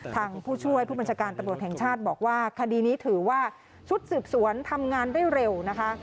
ผู้ช่วยผู้บัญชาการตำรวจแห่งชาติบอกว่าคดีนี้ถือว่าชุดสืบสวนทำงานได้เร็วนะคะ